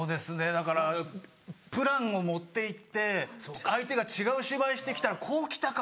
だからプランを持っていって相手が違う芝居してきたらこうきたか！